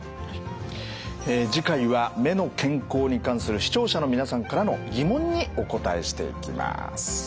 え次回は目の健康に関する視聴者の皆さんからの疑問にお答えしていきます。